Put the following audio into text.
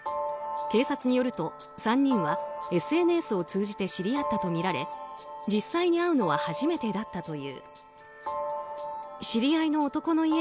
警察によると３人はＳＮＳを通じて知り合ったとみられ実際に会うのは初めてだったという。